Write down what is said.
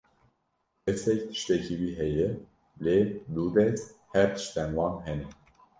Destek tiştekî wî heye, lê du dest her tiştên wan hene.